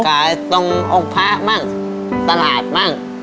ขายตรงองค์พระบ้างตลาดบ้าง